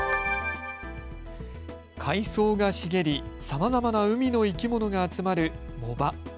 海藻が茂り、さまざまな海の生き物が集まる藻場。